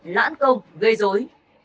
lãn công gây rối